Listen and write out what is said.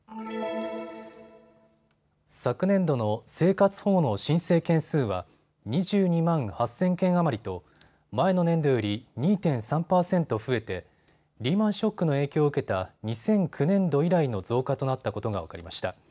昨年度の生活保護の申請件数は２２万８０００件余りと前の年度より２．３％増えてリーマンショックの影響を受けた２００９年度以来の増加となったことが分かりました。